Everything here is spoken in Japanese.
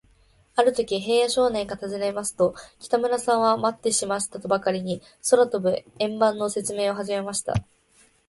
あるとき、平野少年がたずねますと、北村さんは、まってましたとばかり、空とぶ円盤のせつめいをはじめました。